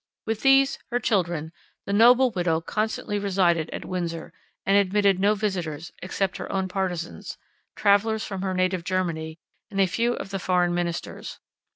With these, her children, the noble widow constantly resided at Windsor; and admitted no visitors, except her own partizans, travellers from her native Germany, and a few of the foreign ministers.